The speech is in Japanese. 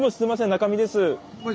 中見です。